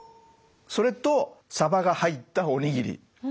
それとさばが入ったおにぎり。